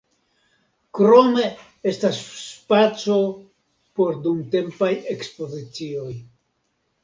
Krome estas spaco por dumtempaj ekspozicioj.